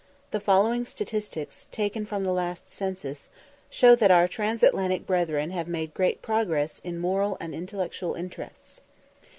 The following statistics, taken from the last census, show that our Transatlantic brethren have made great progress in moral and intellectual interests.